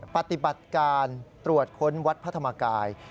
ปฏิบัติการตรวจค้นวัดพระธรรมกาย